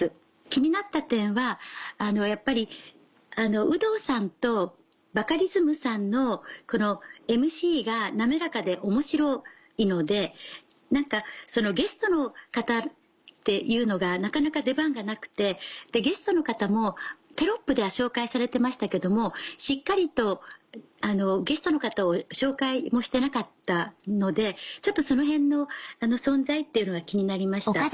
気になった点はやっぱり有働さんとバカリズムさんのＭＣが滑らかで面白いので何かゲストの方っていうのがなかなか出番がなくてゲストの方もテロップでは紹介されてましたけどもしっかりとゲストの方を紹介もしてなかったのでちょっとそのへんの存在っていうのが気になりました。